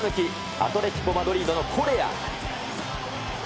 アトレティコ・マドリードのコレア。